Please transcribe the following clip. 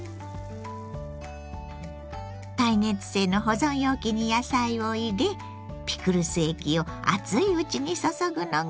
耐熱性の保存容器に野菜を入れピクルス液を熱いうちに注ぐのがポイント。